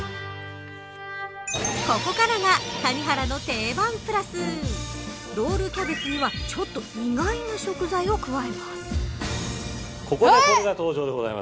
ここからが谷原のテイバン＋。ロールキャベツにはちょっと意外な食材を加えます。